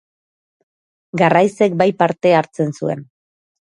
Garraizek bai parte hartzen zuen.